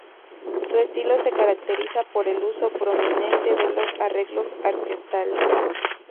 Su estilo se caracteriza por el uso prominente de los arreglos orquestales.